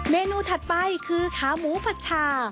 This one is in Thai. นูถัดไปคือขาหมูผัดชา